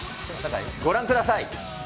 ご覧ください。